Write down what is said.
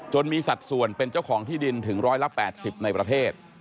มีสัดส่วนเป็นเจ้าของที่ดินถึง๑๘๐ในประเทศ